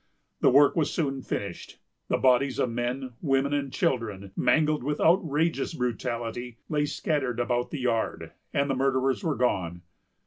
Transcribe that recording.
The work was soon finished. The bodies of men, women, and children, mangled with outrageous brutality, lay scattered about the yard; and the murderers were gone.